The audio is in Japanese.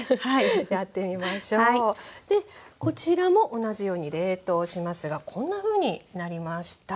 でこちらも同じように冷凍しますがこんなふうになりました。